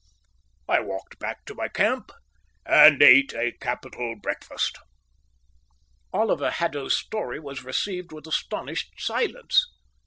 I walked back to my camp and ate a capital breakfast." Oliver Haddo's story was received with astonished silence.